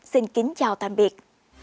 xin kính chào tạm biệt